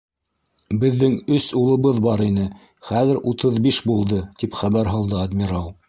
Беҙҙең өс улыбыҙ бар ине, хәҙер утыҙ биш булды, - тип хәбәр һалды адмирал.